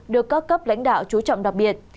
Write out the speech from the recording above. được các cấp lãnh đạo chú trọng đặc biệt